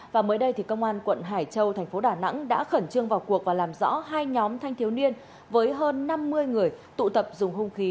và mới đây công an quận hải châu thành phố đà nẵng đã khẩn trương vào cuộc và làm rõ hai nhóm thanh thiếu niên với hơn năm mươi người tụ tập dùng hung khí